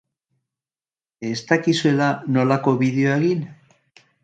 Ez dakizuela nolako bideoa egin?